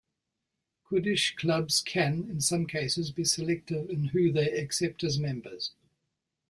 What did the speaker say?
Kiddush Clubs can, in some cases, be selective in who they accepts as members.